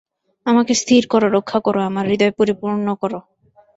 আমাকে স্থির করো, রক্ষা করো, আমার হৃদয় পরিপূর্ণ করো।